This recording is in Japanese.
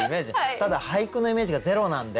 ただ俳句のイメージがゼロなんで。